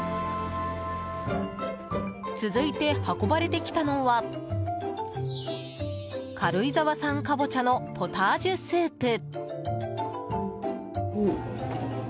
続いて運ばれてきたのは軽井沢産南瓜のポタージュスープ。